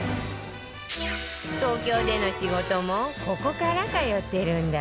東京での仕事もここから通ってるんだって